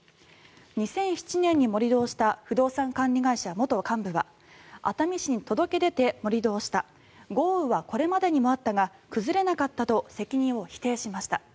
２００７年に盛り土をした不動産管理会社元幹部は熱海市に届け出て、盛り土をした豪雨はこれまでにもあったが崩れなかったと責任を否定しました。